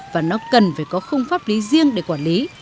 và nó cần phải có khung pháp lý riêng để quản lý